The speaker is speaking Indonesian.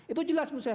itu jelas misalnya